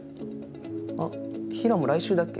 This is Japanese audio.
あっ平良も来週だっけ？